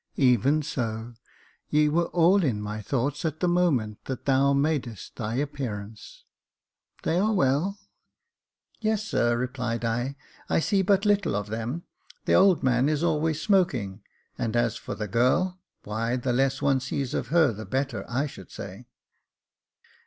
"Even so; ye were all in my thoughts at the moment that thou madest thy appearance. They are well ?" "Yes, sir," replied I. "I see but little of them; the old man is always smoking, and as for the girl — why, the less one sees of her the better, I should say."